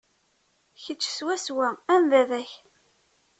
Kečč swaswa am baba-k.